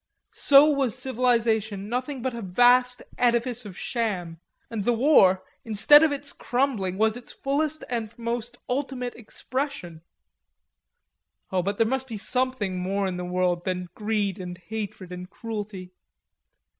So was civilization nothing but a vast edifice of sham, and the war, instead of its crumbling, was its fullest and most ultimate expression. Oh, but there must be something more in the world than greed and hatred and cruelty.